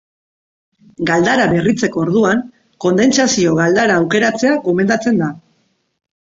Galdara berritzeko orduan, kondentsazio-galdara aukeratzea gomendatzen da.